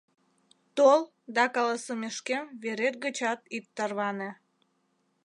Тол да каласымешкем верет гычат ит тарване.